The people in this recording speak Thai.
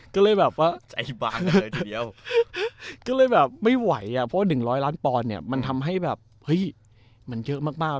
ก็เลยแบบว่าไม่ไหวเพราะว่า๑๐๐ล้านปอนด์เนี่ยมันทำให้แบบเยอะมาก